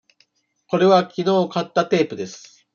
これはきのう買ったテープです。